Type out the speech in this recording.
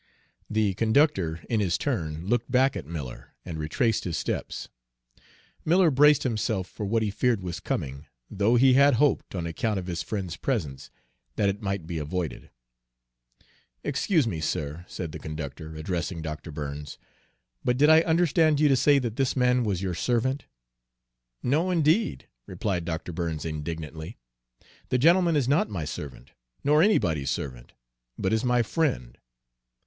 The conductor in his turn looked back at Miller, and retraced his steps. Miller braced himself for what he feared was coming, though he had hoped, on account of his friend's presence, that it might be avoided. "Excuse me, sir," said the conductor, addressing Dr. Burns, "but did I understand you to say that this man was your servant?" "No, indeed!" replied Dr. Burns indignantly. "The gentleman is not my servant, nor anybody's servant, but is my friend.